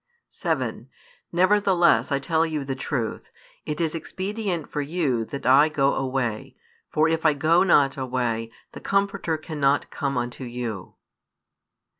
7 Nevertheless I tell you the truth; it is expedient for you that I go away: for if I go not away, the Comforter cannot come unto you.